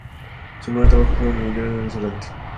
Su primer trabajo fue como anfitriona en un restaurante.